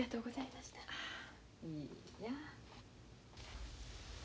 いいや。